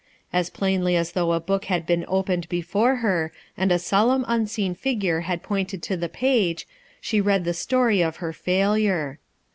As plainly as though a book had been opened before her, and a solemn unseen figure had pointed to the page, she read the story of her failure.